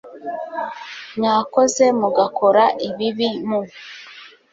mwakoze mugakora ibibi mu